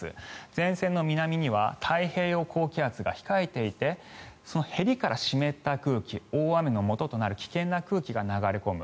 前線の南には太平洋高気圧が控えていてそのへりから湿った空気大雨のもととなる危険な空気が流れ込む。